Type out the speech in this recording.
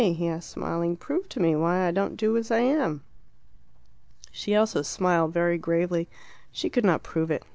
he asked, smiling. "Prove to me why I don't do as I am." She also smiled, very gravely. She could not prove it.